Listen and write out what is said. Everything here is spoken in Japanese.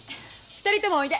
２人ともおいで。